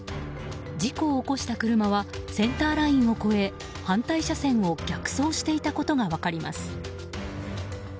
事故を起こした車はセンターラインを越えて反対車線を逆走していたことが分かります。